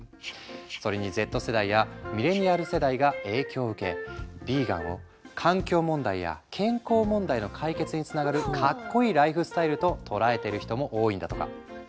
それにＺ世代やミレニアル世代が影響を受けヴィーガンを環境問題や健康問題の解決につながるかっこいいライフスタイルと捉えてる人も多いんだとか。